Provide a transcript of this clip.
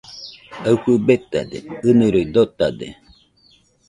Aɨfɨ betade, ɨniroi dotade